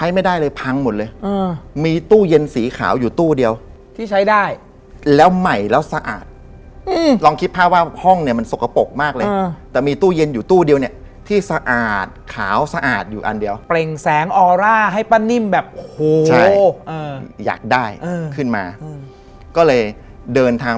มาสวดอะไรสักอย่างหนึ่ง